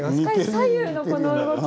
左右のこの動き！